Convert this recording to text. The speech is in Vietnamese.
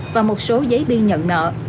và một số giấy biên nhận nợ